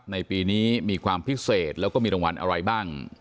ในปีนี้มีความพิเศษแล้วก็มีรางวัลอะไรบ้าง